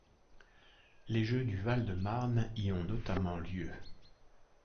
Les Jeux du Val-de-Marne y ont notamment lieu.